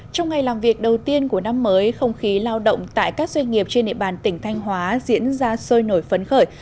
trong ngày làm việc đầu tiên của năm mới không khí lao động tại các doanh nghiệp trên địa bàn tỉnh thanh hóa diễn ra sôi nổi phấn khởi